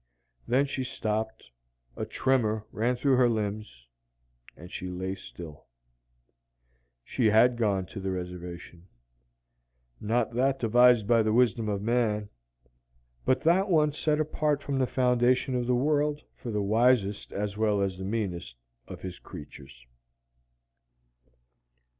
Then she stopped, a tremor ran through her limbs, and she lay still. She had gone to the Reservation. Not that devised by the wisdom of man, but that one set apart from the foundation of the world for the wisest as well as the meanest of His creatures.